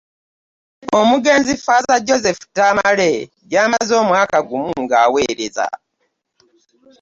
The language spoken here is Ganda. Omugenzi Ffaaza Joseph Tamale, gy'amaze omwaka gumu ng'aweereza.